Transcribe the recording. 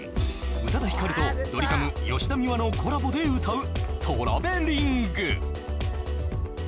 宇多田ヒカルとドリカム吉田美和のコラボで歌う「ｔｒａｖｅｌｉｎｇ」